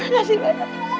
makasih banyak ibu